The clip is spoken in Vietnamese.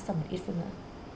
sau một ít phút nữa